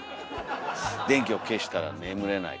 電気を消したら眠れない。